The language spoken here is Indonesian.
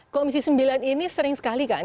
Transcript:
komisi sembilan ini sering sekali kan